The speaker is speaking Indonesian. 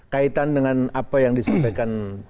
kaitan dengan apa yang disampaikan